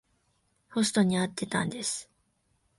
ホストに会ってたんです。